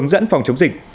dẫn phòng chống dịch